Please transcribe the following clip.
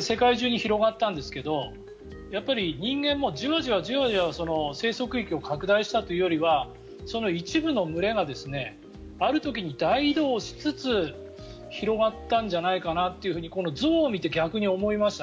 世界中に広がったんですが人間もじわじわと生息区域を拡大したというよりは一部の群れがある時に大移動をしつつ広がったんじゃないかなっていうふうにこの象を見て逆に思いましたね。